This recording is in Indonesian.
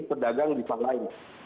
pedagang di sana lain